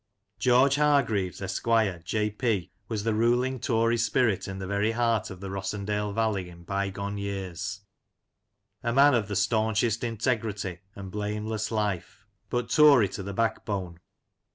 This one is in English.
George Hargreaves, Esquire, J. P., was the ruling Tory spirit in the very heart of the Rossendale Valley in by gone years — ^a man of the staunchest integrity and blameless life, but Tory to the backbone.